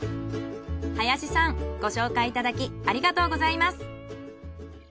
林さんご紹介いただきありがとうございます。